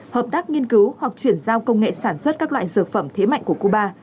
hợp tác nghiên cứu hoặc chuyển giao công nghệ sản xuất các loại dược phẩm thế mạnh của cuba